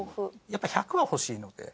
やっぱ１００は欲しいので。